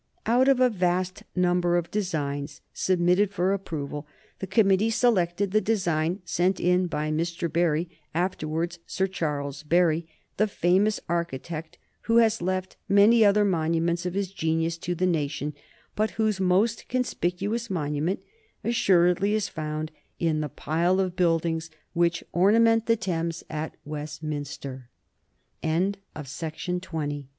Out of a vast number of designs submitted for approval, the committee selected the design sent in by Mr. Barry (afterwards Sir Charles Barry), the famous architect, who has left many other monuments of his genius to the nation, but whose most conspicuous monument, assuredly, is found in the pile of buildings which orname